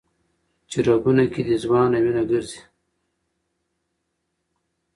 چي رګونو كي دي ځوانه وينه ګرځي